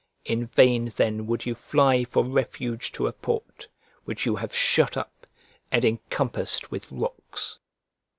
In vain then would you fly for refuge to a port, which you have shut up, and encompassed with rocks."